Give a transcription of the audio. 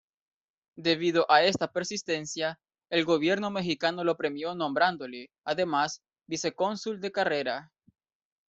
Debido a esta persistencia, el gobierno mexicano lo premió nombrándole, además, vicecónsul de carrera.